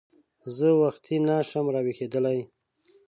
زه وختي نه شم راویښېدلی !